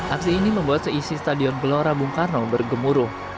aksi ini membuat seisi stadion gelora bung karno bergemuruh